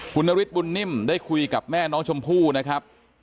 คุณนฤทธบุญนิ่มได้คุยกับแม่น้องชมพู่นะครับ